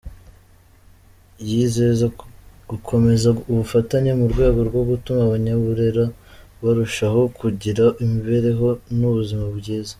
Yizeza gukomeza ubufatanye mu rwego rwo gutuma Abanyaburera barushaho kugira imibereho n’ubuzima byiza.